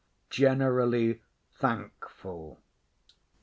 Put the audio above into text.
Generally thankful.